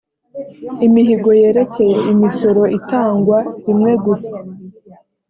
imihigo yerekeye imisoro itangwa rimwe gusa